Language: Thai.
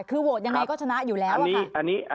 คือโหวตยังไงก็ชนะอยู่แล้วอะค่ะ